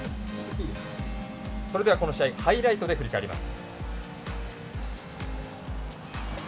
それでは、この試合ハイライトで振り返ります。